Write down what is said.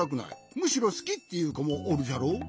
むしろすき！」っていうこもおるじゃろ？